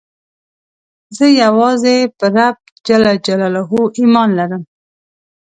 زه یوازي په رب ﷻ ایمان لرم.